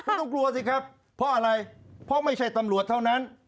ต้องกลัวสิครับเพราะอะไรเพราะไม่ใช่ตำรวจเท่านั้น